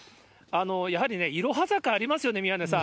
やはりね、いろは坂ありますよね、宮根さん。